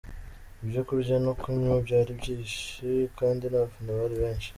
Ibyo kurya no kunywa byari byinshi kandi n'abafana bari benshi.